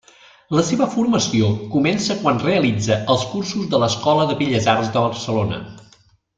La seva formació comença quan realitza els cursos de l'escola de Belles Arts de Barcelona.